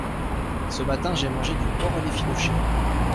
Ce matin j'ai mangé du porc à l'effilauché.